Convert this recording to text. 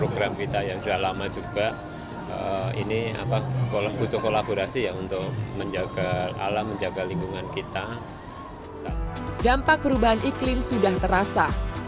dampak perubahan iklim sudah terasa